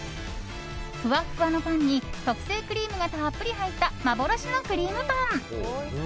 ふわふわのパンに特製クリームがたっぷり入った幻のクリームパン。